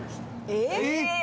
「えっ！？